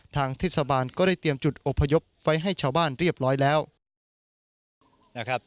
ทางเทศบาลก็ได้เตรียมจุดอบพยพไว้ให้ชาวบ้านเรียบร้อยแล้วนะครับ